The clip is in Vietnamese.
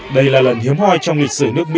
đây là lần hiếm hoi trong lịch sử nước mỹ